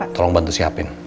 tolong bantu siapin